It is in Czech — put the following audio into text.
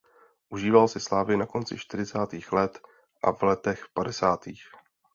Užíval si slávy na konci čtyřicátých let a v letech padesátých.